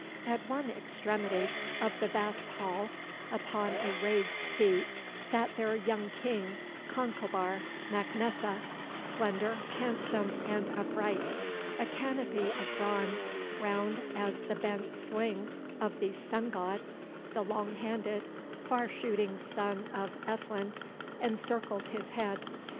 At one extremity of the vast hall, upon a raised seat, sat their young king, Concobar Mac Nessa, slender, handsome, and upright. A canopy of bronze, round as the bent sling of the Sun god, the long handed, far shooting son of Ethlend, encircled his head.